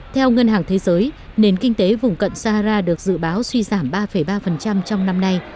theo ngân hàng thế giới nền kinh tế vùng cận sahara được dự báo suy giảm ba ba trong năm nay